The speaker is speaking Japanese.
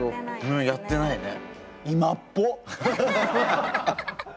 うんやってないね。